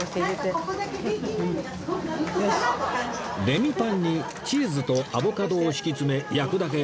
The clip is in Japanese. レミパンにチーズとアボカドを敷き詰め焼くだけ